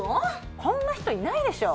こんな人いないでしょう。